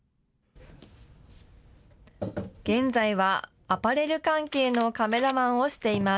現在はアパレル関係のカメラマンをしています。